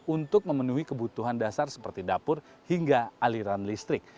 untuk memenuhi kebutuhan dasar seperti dapur hingga aliran listrik